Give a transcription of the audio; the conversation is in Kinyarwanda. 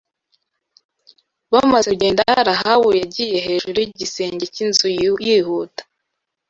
Bamaze kugenda Rahabu yagiye hejuru y’igisenge cy’inzu yihuta